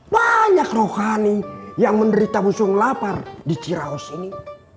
banyak rohani yang menderita musuh lapar di ciraus ini